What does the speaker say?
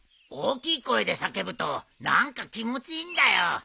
大きい声で叫ぶと何か気持ちいいんだよ。